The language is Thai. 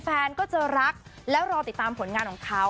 แฟนก็จะรักแล้วรอติดตามผลงานของเขา